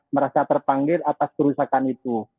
merasa terpanggil atas kerusakan itu